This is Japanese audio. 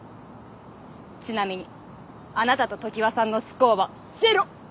ちなみにあなたと常磐さんのスコアはゼロ。